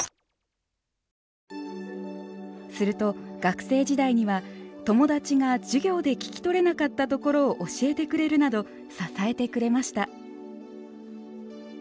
すると学生時代には友達が授業で聞き取れなかったところを教えてくれるなど支えてくれました。